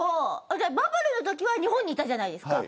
バブルのときは日本にいたじゃないですか。